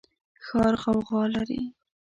ښار غوغا لري